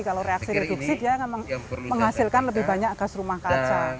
kalau reaksi reduksi dia akan menghasilkan lebih banyak gas rumah kaca